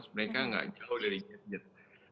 mereka nggak jauh dari gadget